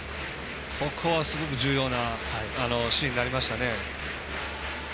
ここはすごく重要なシーンになりましたね。